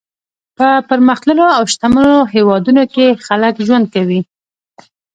په پرمختللو او شتمنو هېوادونو کې خلک ژوند کوي.